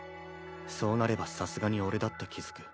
そうなればさすがに俺だって気付く。